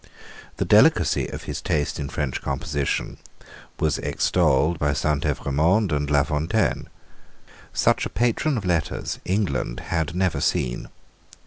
The delicacy of his taste in French composition was extolled by Saint Evremond and La Fontaine. Such a patron of letters England had never seen.